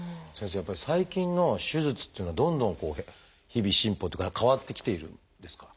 やっぱり最近の手術っていうのはどんどんこう日々進歩っていうか変わってきているんですか？